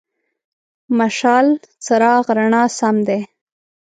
مشال: څراغ، رڼا سم دی.